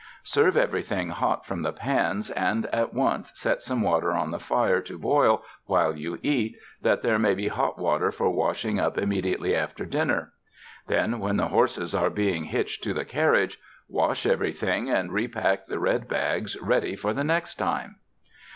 Serve everything hot from the pans and at once set some water on the fire to boil while you eat, that there may be hot water for washing up immediately after dinner. Then when the horses are being hitched to the carriage, wash everything and repack the red bags ready for the next time.